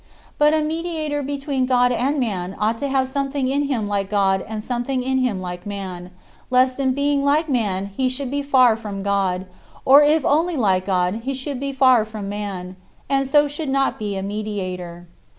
But a mediator between God and man ought to have something in him like God and something in him like man, lest in being like man he should be far from God, or if only like God he should be far from man, and so should not be a mediator.